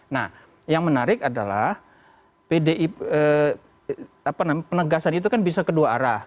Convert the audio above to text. nah yang menarik adalah pdi penegasan itu kan bisa kedua arah